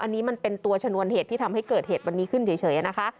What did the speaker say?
อันนี้มันเป็นตัวชนวนเหตุที่ทำให้เกิดเหตุวันนี้ขึ้นเฉยนะคะ